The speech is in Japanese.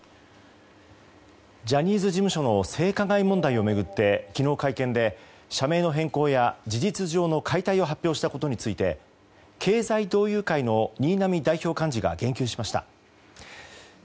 ジャニーズ事務所の性加害問題を巡って昨日、会見で社名の変更や事実上の解体を発表したことについて経済同友会の新浪代表幹事が言及しました。